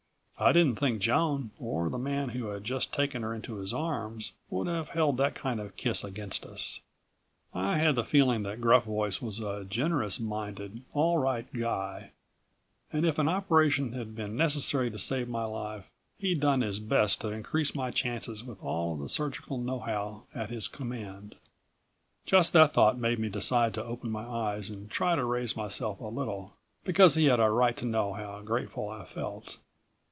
I didn't think Joan or the man who had just taken her into his arms would have held that kind of kiss against us. I had the feeling that Gruff Voice was a generous minded, all right guy, and if an operation had been necessary to save my life he'd done his best to increase my chances with all of the surgical know how at his command. Just that thought made me decide to open my eyes and try to raise myself a little, because he had a right to know how grateful I felt.